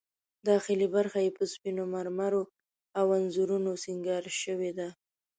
داخلي برخه یې په سپینو مرمرو او انځورونو سینګار شوې ده.